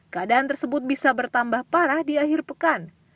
keadaan tersebut bisa bertambah parah di akhir pekan